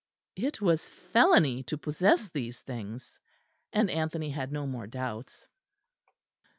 It was felony to possess these things and Anthony had no more doubts.